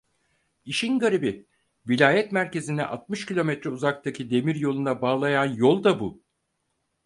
İşin garibi, vilayet merkezini altmış kilometre uzaktaki demiryoluna bağlayan yol da bu!